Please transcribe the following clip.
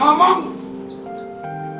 diam lu jangan ngomong